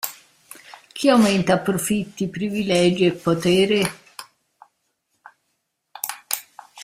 Chi aumenta profitti, privilegi e potere?